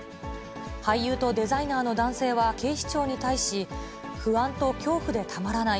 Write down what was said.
俳優とデザイナーの男性は警視庁に対し、不安と恐怖でたまらない。